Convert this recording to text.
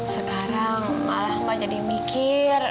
sekarang malah mbak jadi mikir